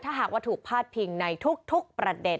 ถ้าหากว่าถูกพาดพิงในทุกประเด็น